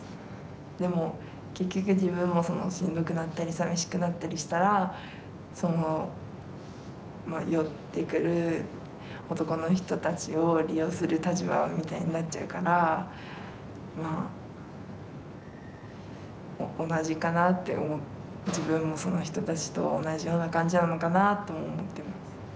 でも結局自分もしんどくなったりさみしくなったりしたらその寄ってくる男の人たちを利用する立場みたいになっちゃうからまあ同じかなって思う自分もその人たちと同じような感じなのかなとも思ってます。